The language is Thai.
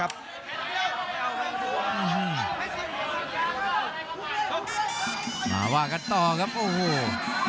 รับทราบบรรดาศักดิ์